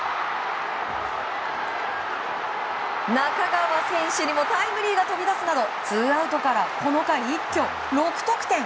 中川選手にもタイムリーが飛び出すなどツーアウトからこの回一挙６得点。